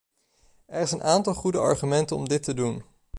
Er is een aantal goede argumenten om dit te doen.